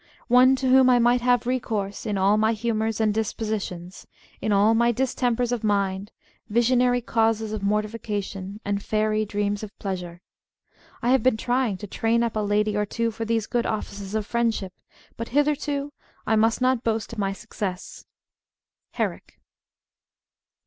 One to whom I might have recourse in all my Humours and Dispositions : in all my Dis tempers of Mind, visionary Causes of Mortification, and Fairy Dreams of Pleasure. I have been trying to train up a Lady or two for these good offices of Friendship, but hitherto I must not boast of my success. — Herrick.